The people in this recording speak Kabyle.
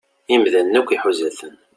Imdanen akk iḥuza-ten.